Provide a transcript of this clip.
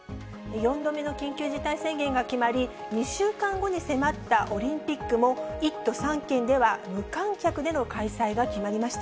４度目の緊急事態宣言が決まり、２週間後に迫ったオリンピックも、１都３県では無観客での開催が決まりました。